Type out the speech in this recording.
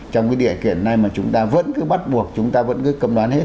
trong cái địa kiện này mà chúng ta vẫn cứ bắt buộc chúng ta vẫn cứ cầm đoán hết